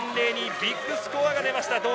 ビッグスコアが出ました。